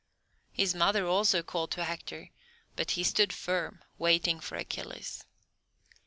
His mother also called to Hector, but he stood firm, waiting for Achilles.